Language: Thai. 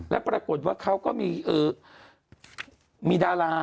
แล้วปรากฏว่าเขาก็มีดารา